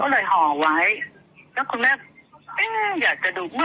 มันไม่เคยโทรศัพท์เราน่ะเราก็ลืม